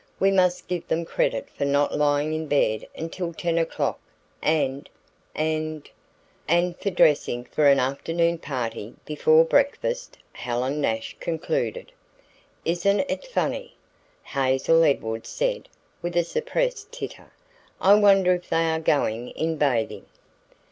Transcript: "We must give them credit for not lying in bed until 10 o'clock and, and " "And for dressing for an afternoon party before breakfast," Helen Nash concluded. "Isn't it funny!" Hazel Edwards said with a suppressed titter. "I wonder if they are going in bathing."